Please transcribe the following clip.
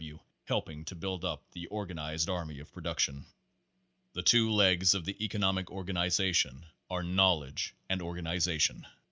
W. helping to build up the organized army of production. The two legs of the economic organization are KNOWLEDGE and ORGANIZATION.